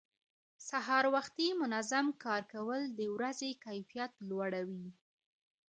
سهار وختي منظم کار کول د ورځې کیفیت لوړوي